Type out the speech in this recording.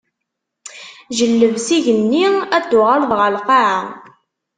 Jelleb s igenni, ad d-tuɣaleḍ ɣeṛ lqaɛa.